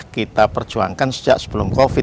kita perjuangkan sejak sebelum covid